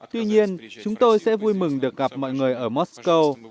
tuy nhiên chúng tôi sẽ vui mừng được gặp mọi người ở moscow